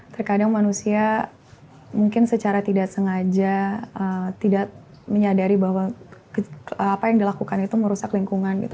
terkadang manusia mungkin secara tidak sengaja tidak menyadari bahwa apa yang dilakukan itu merusak lingkungan gitu